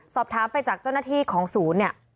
สอบถามไปจากเจ้าหน้าที่ของศูนย์เนี่ย